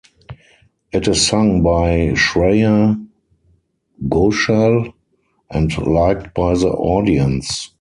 It is sung by Shreya Ghoshal and liked by the audience.